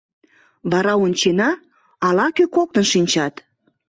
Вара ончена — ала-кӧ коктын шинчат.